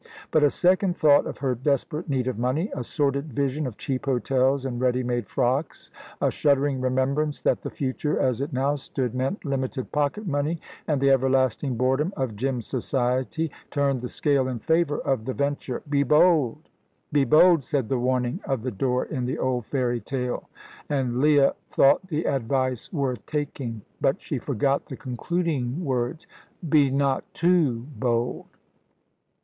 But a second thought of her desperate need of money, a sordid vision of cheap hotels and ready made frocks, a shuddering remembrance that the future, as it now stood, meant limited pocket money and the everlasting boredom of Jim's society, turned the scale in favour of the venture. "Be bold! Be bold!" said the warning of the door in the old fairy tale, and Leah thought the advice worth taking. But she forgot the concluding words, "Be not too bold!"